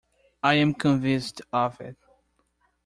I am convinced of it.